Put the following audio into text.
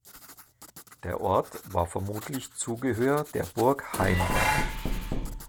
Der Ort war vermutlich Zugehör der Burg Heimberg.